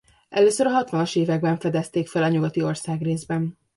Először a hatvanas években fedezték fel a nyugati országrészben.